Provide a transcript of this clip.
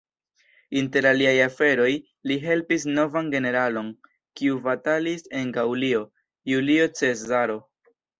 Inter aliaj aferoj, li helpis novan generalon, kiu batalis en Gaŭlio: Julio Cezaro.